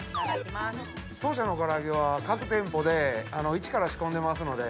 当社の唐揚は各店舗で一から仕込んでますので。